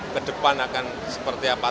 ke depan akan seperti apa